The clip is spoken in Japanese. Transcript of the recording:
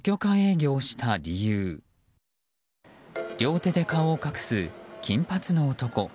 両手で顔を隠す金髪の男。